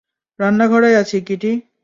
রান্নাঘরেই আছে, কিটি!